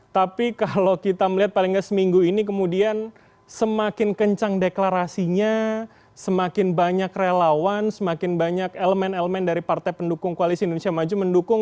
tapi kalau kita melihat paling nggak seminggu ini kemudian semakin kencang deklarasinya semakin banyak relawan semakin banyak elemen elemen dari partai pendukung koalisi indonesia maju mendukung